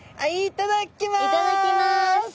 いただきます！